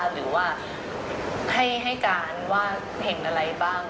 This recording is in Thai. หรือว่าให้การว่าเห็นอะไรบ้าง